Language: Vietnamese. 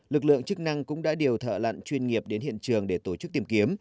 lực lượng chức năng cũng đã điều thợ lặn chuyên nghiệp đến hiện trường để tổ chức tìm kiếm